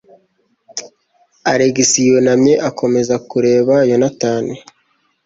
Alex yunamye, akomeza kureba Yonatani.